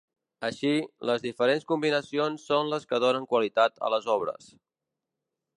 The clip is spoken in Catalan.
Així, les diferents combinacions són les que donen qualitat a les obres.